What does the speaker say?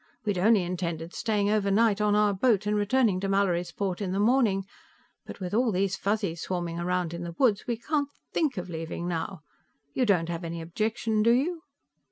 We had only intended staying tonight on our boat, and returning to Mallorysport in the morning, but with all these Fuzzies swarming around in the woods, we can't think of leaving now. You don't have any objection, do you?"